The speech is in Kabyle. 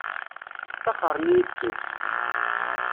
Staxren-iyi-d seg-s.